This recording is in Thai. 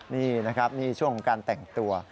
นี่นะครับนี่ช่วงของการแต่งตัว